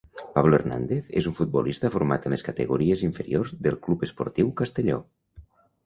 Pablo Hernández és un futbolista format en les categories inferiors del Club Esportiu Castelló.